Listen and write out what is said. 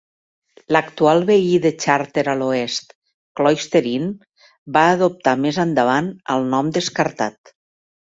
L'actual veí de Charter a l'oest, Cloister Inn, va adoptar més endavant el nom descartat.